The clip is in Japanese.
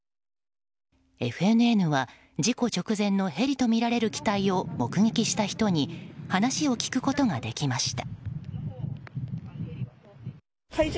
ＦＮＮは事故直前のヘリとみられる機体を目撃した人に話を聞くことができました。